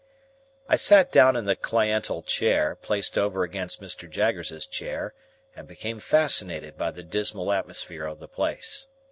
I sat down in the cliental chair placed over against Mr. Jaggers's chair, and became fascinated by the dismal atmosphere of the place.